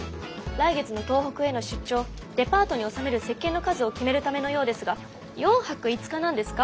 来月の東北への出張デパートに納める石鹸の数を決めるためのようですが４泊５日なんですか？